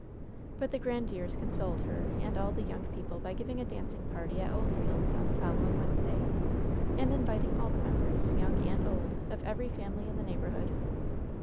But the Grandieres consoled her and all the young people by giving a dancing party at Oldfields on the fol lowing Wednesday, and inviting all the members, young and old, of every family in the neighborhood.